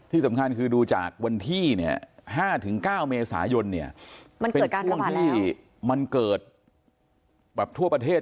ที่สำคัญคือดูจากวันที่๕ถึง๙เมษายนเป็นท่วงที่มันเกิดแบบทั่วประเทศ